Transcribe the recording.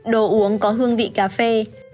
đồ uống có hương vị cà phê